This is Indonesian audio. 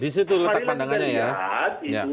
disitu letak pandangannya ya